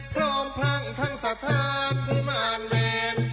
พร้อมพลังทั้งสะทานผู้มารแบน